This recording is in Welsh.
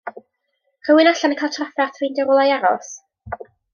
Rhywun allan yn cael trafferth ffeindio rwla i aros?